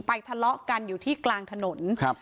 ทะเลาะกันอยู่ที่กลางถนนครับ